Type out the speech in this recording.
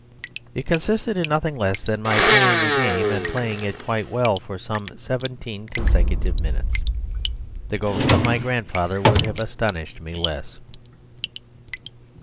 It consisted in nothing less than my playing a game, and playing it quite well for some seventeen consecutive minutes. The ghost of my grandfather would have astonished me less.